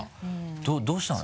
どうしたの？